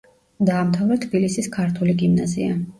დაამთავრა თბილისის ქართული გიმნაზია.